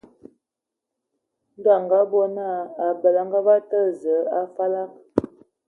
Ndɔ a ngabɔ naa, abəl a ngabə tǝ̀lə Zəə a falag.